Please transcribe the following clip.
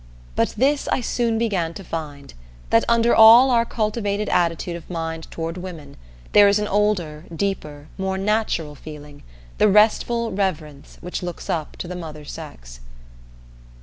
But this I soon began to find: that under all our cultivated attitude of mind toward women, there is an older, deeper, more "natural" feeling, the restful reverence which looks up to the Mother sex.